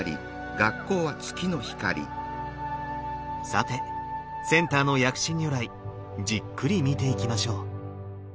さてセンターの薬師如来じっくり見ていきましょう。